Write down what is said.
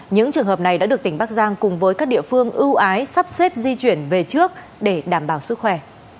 những trường hợp này đã được tỉnh bắc giang cùng với các địa phương ưu ái sắp xếp di chuyển về trước để đảm bảo sức khỏe